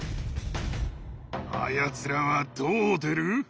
あやつらはどう出る？